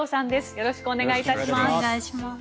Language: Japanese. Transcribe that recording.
よろしくお願いします。